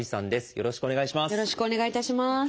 よろしくお願いします。